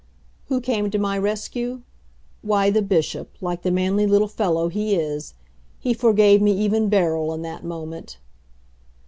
Who came to my rescue? Why, the Bishop, like the manly little fellow he is. He forgave me even Beryl in that moment.